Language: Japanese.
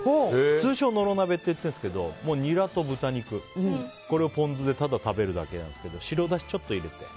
通称、野呂鍋って言ってるんですけどニラと豚肉、これをポン酢でただ食べるだけなんですけど白だしちょっと入れて。